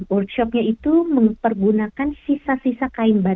workshopnya itu menggunakan sisa sisa kain batik